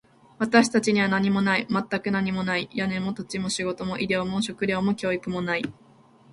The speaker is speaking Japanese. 私たちには何もない。全く何もない。屋根も、土地も、仕事も、医療も、食料も、教育もない。